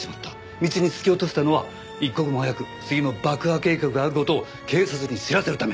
道に突き落としたのは一刻も早く次の爆破計画がある事を警察に知らせるため。